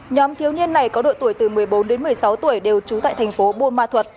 nhóm thiếu niên này có độ tuổi từ một mươi bốn đến một mươi sáu tuổi đều trú tại thành phố buôn ma thuật